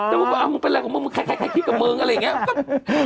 มึงเป็นอะไรของมึงมึงคลายคลิปกับมึงอะไรอย่างนี้